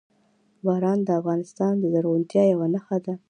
باران د افغانستان د زرغونتیا یوه نښه ده.